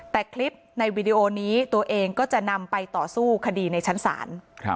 แต่คลิปในวีดีโอนี้ตัวเองก็จะนำไปต่อสู้คดีในชั้นศาล